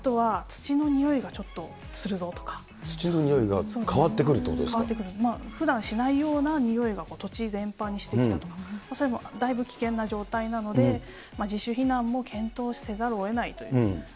土のにおいが変わってくると変わってくる、ふだんしないようなにおいが土地全般にしてきたと、そういうのはだいぶ危険な状態なので、自主避難も検討せざるをえないという。